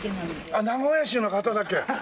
あっ名古屋市の方だけ！